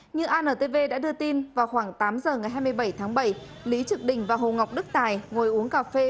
như antv đã đưa tin vào khoảng tám giờ ngày hai mươi bảy tháng bảy lý trực đình và hồ ngọc đức tài ngồi uống cà phê